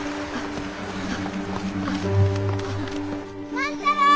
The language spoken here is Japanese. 万太郎！